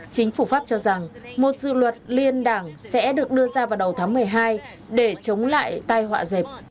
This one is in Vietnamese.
chính phủ pháp cho rằng một dự luật liên đảng sẽ được đưa ra vào đầu tháng một mươi hai để chống lại tai họa dẹp